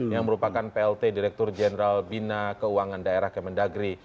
yang merupakan plt direktur jenderal bina keuangan daerah kemendagri